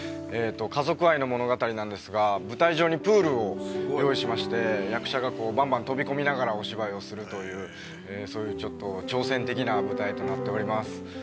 家族愛の物語なんですが、舞台上にプールを用意しまして役者が、ばんばん飛び込みながらお芝居をするという、そういう、ちょっと挑戦的な舞台となっております。